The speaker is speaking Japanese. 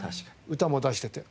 歌も出してて。